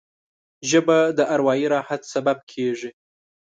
ژبه د اروايي راحت سبب کېږي